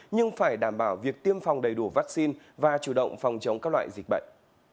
nhưng phải đảm bảo việc tiêm phòng đầy đủ vaccine và chủ động phòng chống các loại dịch bệnh